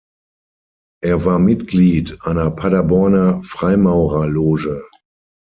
Er war Mitglied einer Paderborner Freimaurerloge.